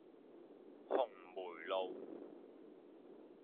紅梅路